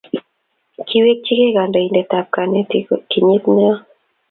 kiwechigei kandoindetab konetik kenyit noe